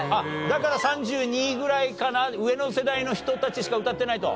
だから３２ぐらいかな上の世代の人たちしか歌ってないと。